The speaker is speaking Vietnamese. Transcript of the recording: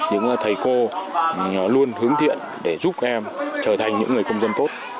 những thầy cô luôn hướng thiện để giúp các em trở thành những người công dân tốt